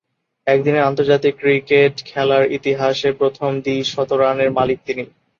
একদিনের আন্তর্জাতিক ক্রিকেট খেলার ইতিহাসে প্রথম দ্বি-শতরানের মালিক তিনি।